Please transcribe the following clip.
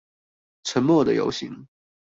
沉默的遊行